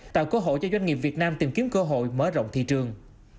tạo cơ hội cho doanh nghiệp việt nam tìm kiếm cơ hội mở rộng thị trường